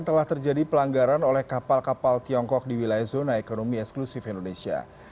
telah terjadi pelanggaran oleh kapal kapal tiongkok di wilayah zona ekonomi eksklusif indonesia